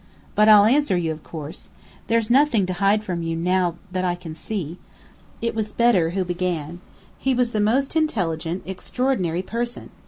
"But I'll answer you, of course. There's nothing to hide from you now that I can see. It was Bedr who began. He was the most intelligent, extraordinary person!